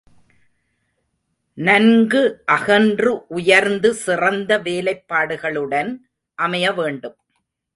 நன்கு அகன்று உயர்ந்து சிறந்த வேலைப்பாடுகளுடன் அமைய வேண்டும்.